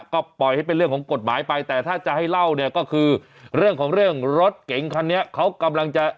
ก็ปล่อยให้เป็นเรื่องของกฎหมายไปแต่ถ้าจะให้เล่าเนี่ยก็คือเรื่องของเรื่องรถเก๋งคันนี้เขากำลังจะ